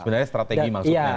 sebenarnya strategi maksudnya